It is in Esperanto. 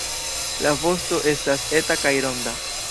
La vosto estas eta kaj ronda.